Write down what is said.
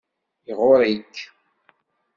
Iɣurr-ik.